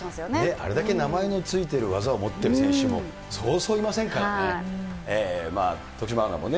あれだけ名前の付いている技を持ってる選手もそうそういませんからね。